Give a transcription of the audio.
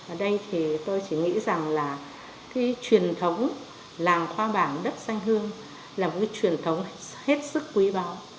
ở đây thì tôi chỉ nghĩ rằng là cái truyền thống làng khoa bảng đất xanh hương là một cái truyền thống hết sức quý báo